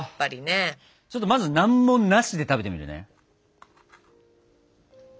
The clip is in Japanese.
ちょっとまず何もなしで食べてみるね。